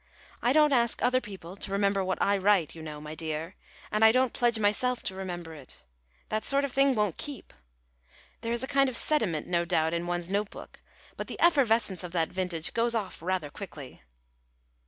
I don't ask other people to remember what I write, you know, my dear, and I don't pledge myself to remember it. That sort of thing won't keep. There is a kind of sediment, no doubt, in one's note book; but the effervescence of that vintage goes off rather quickly."